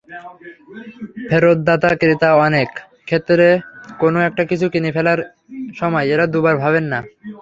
ফেরতদাতা ক্রেতাঅনেক ক্ষেত্রে কোনো একটা কিছু কিনে ফেলার সময় এঁরা দুবার ভাবেন না।